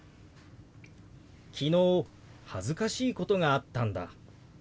「昨日恥ずかしいことがあったんだ」。